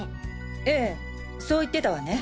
ええそう言ってたわね。